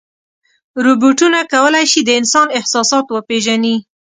روبوټونه کولی شي د انسان احساسات وپېژني.